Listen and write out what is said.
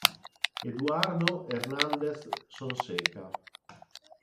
Eduardo Hernández-Sonseca